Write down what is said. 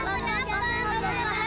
karena kita mau senang